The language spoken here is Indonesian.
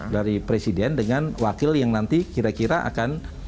dari presiden dengan wakil yang nanti kira kira akan